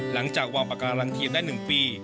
หลังจากวางปากการังเทียนได้๑ปี